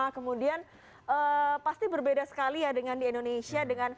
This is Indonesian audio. kemudian pasti berbeda sekali ya dengan di indonesia